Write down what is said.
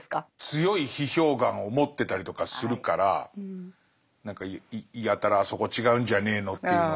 強い批評眼を持ってたりとかするから何かやたら「あそこ違うんじゃねえの？」というのを言ったのかな？